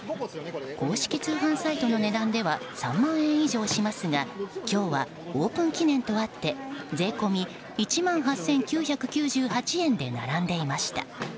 公式通販サイトの値段では３万円以上しますが今日はオープン記念とあって税込み１万８９９８円で並んでいました。